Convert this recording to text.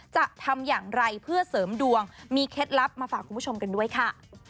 จะทำอย่างไรเพื่อเสริมดวงมีเคล็ดลับมาฝากคุณผู้ชมกันด้วยค่ะ